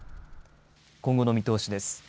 今後の見通しです。